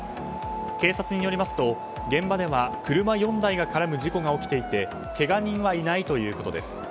警察によりますと現場では車４台が絡む事故が起きていてけが人はいないということです。